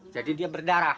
jadi dia berdarah